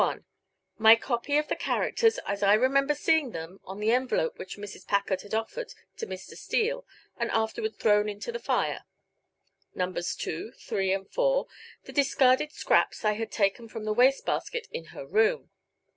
1: My copy of the characters, as I remember seeing them on the envelope which Mrs. Packard had offered to Mr. Steele and afterward thrown into the fire. Nos. 2, 3 and 4: The discarded scraps I had taken from the waste basket in her room.